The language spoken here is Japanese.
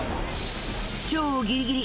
超ギリギリ！